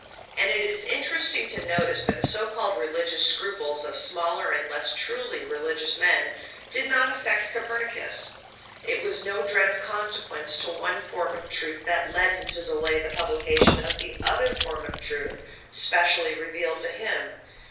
And it is interesting to notice that the so called religious scruples of smaller and less truly religious men did not affect Copernicus; it was no dread of consequences to one form of truth that led him to delay the publication of the other form of truth specially revealed to him.